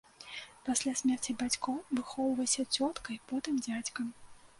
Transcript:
Пасля смерці бацькоў выхоўваўся цёткай, потым дзядзькам.